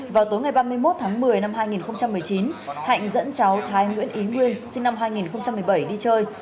vào tối ngày ba mươi một tháng một mươi năm hai nghìn một mươi chín hạnh dẫn cháu thái nguyễn ý nguyên sinh năm hai nghìn một mươi bảy đi chơi